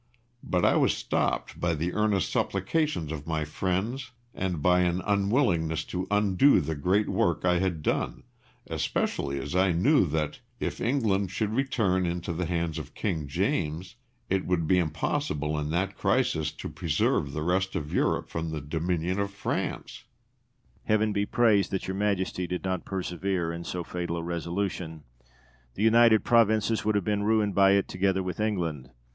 But I was stopped by the earnest supplications of my friends and by an unwillingness to undo the great work I had done, especially as I knew that, if England should return into the hands of King James, it would be impossible in that crisis to preserve the rest of Europe from the dominion of France. De Witt. Heaven be praised that your Majesty did not persevere in so fatal a resolution! The United Provinces would have been ruined by it together with England.